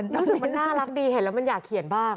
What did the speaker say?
รู้สึกมันน่ารักดีเห็นแล้วมันอยากเขียนบ้าง